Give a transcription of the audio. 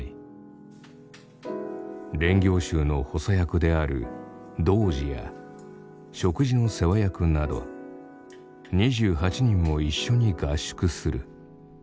練行衆の補佐役である童子や食事の世話役など２８人も一緒に合宿する。